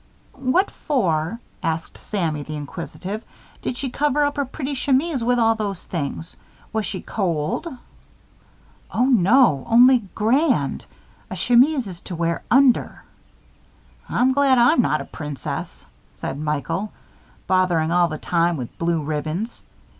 "What for," asked Sammy, the inquisitive, "did she cover up her pretty chemise with all those things? Was she cold?" "Oh, no. Only grand. A chemise is to wear under." "I'm glad I'm not a princess," said Michael. "Botherin' all the time with blue ribbons.